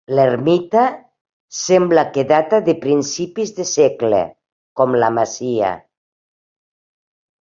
L'ermita sembla que data de principis de segle, com la masia.